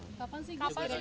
kapan sih kapan sih